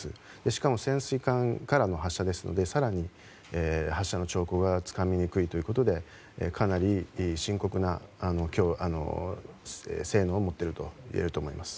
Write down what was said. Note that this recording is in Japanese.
しかも潜水艦からの発射ですので更に発射の兆候がつかみにくいということでかなり深刻な性能を持っているといえると思います。